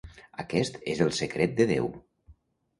Aquest és el secret de Déu».